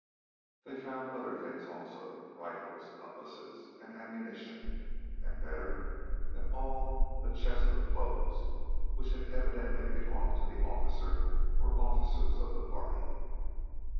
They found other things also: rifles, cutlasses and ammunition, and, better than all, a chest of clothes which had evidently belonged to the officer or officers of the party.